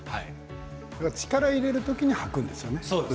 力を入れる時に吐くんですよね。